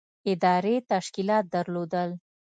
ادارې تشکیلات درلودل.